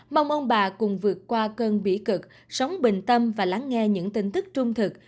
mong ông bà cùng vượt qua cơn bỉ cực sống bình tâm và lắng nghe những tin tức trung thực